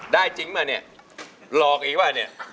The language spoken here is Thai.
จริงป่ะเนี่ยหลอกอีกป่ะเนี่ย